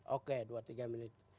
oke dua tiga menit